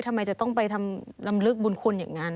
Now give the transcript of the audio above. ทำไมจะต้องไปทำลำลึกบุญคุณอย่างนั้น